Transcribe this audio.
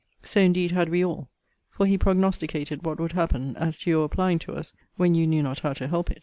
So indeed had we all; for he prognosticated what would happen, as to your applying to us, when you knew not how to help it.